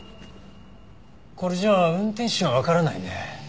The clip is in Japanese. これじゃ運転手はわからないね。